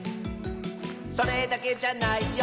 「それだけじゃないよ」